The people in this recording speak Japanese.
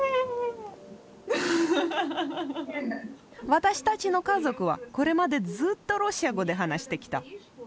私たちの家族はこれまでずっとロシア語で話してきた。